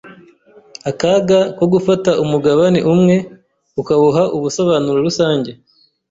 Akaga ko Gufata Umugabane Umwe Ukawuha Ubusobanuro Rusange